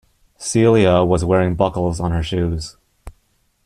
Celia was wearing buckles on her shoes.